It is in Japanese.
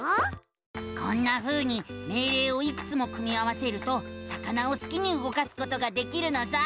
こんなふうに命令をいくつも組み合わせると魚をすきに動かすことができるのさ！